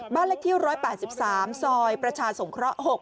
บ้านเลขที่๑๘๓ซอยประชาสงเคราะห์๖